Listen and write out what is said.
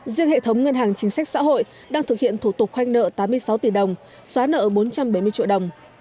riêng hệ thống ngân hàng chính sách xã hội đang thực hiện thủ tục khoanh nợ tám mươi sáu tỷ đồng xóa nợ bốn trăm bảy mươi triệu đồng